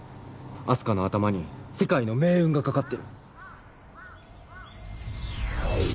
明日香の頭に世界の命運が懸かってる。